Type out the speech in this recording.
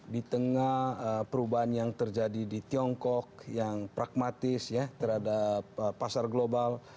di tengah perubahan yang terjadi di tiongkok yang pragmatis ya terhadap pasar global